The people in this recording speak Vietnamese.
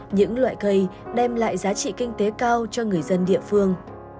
những loại cây đem lại giá trị kinh tế cao cho người dân địa phương